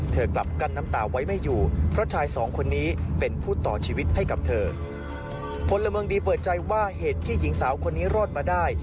กลับกั้นน้ำตาไว้ไม่อยู่เพราะชายสองคนนี้เป็นผู้ต่อชีวิตให้กับเธอพลเมืองดีเปิดใจว่าเหตุที่หญิงสาวคนนี้รอดมาได้